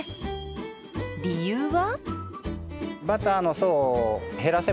理由は。